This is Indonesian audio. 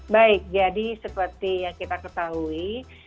baik jadi seperti yang kita ketahui